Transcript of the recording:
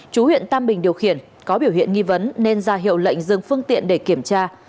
chú huyện tam bình điều khiển có biểu hiện nghi vấn nên ra hiệu lệnh dừng phương tiện để kiểm tra